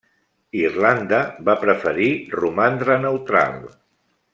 Irlanda va preferir romandre neutral.